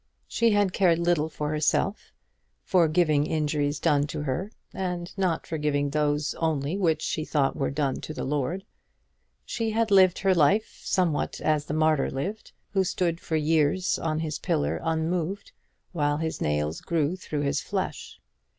She had cared little for herself, forgiving injuries done to her, and not forgiving those only which she thought were done to the Lord. She had lived her life somewhat as the martyr lived, who stood for years on his pillar unmoved, while his nails grew through his flesh.